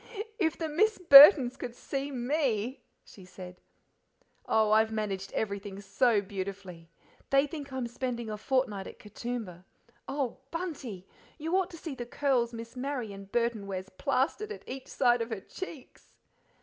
"IF the Miss Burtons could see me!" she said. "Oh, I've managed everything so beautifully; they think I'm spending a fortnight at Katoomba oh, BUNTY, you ought to see the curls Miss Marian Burton wears plastered at each side of her cheeks!"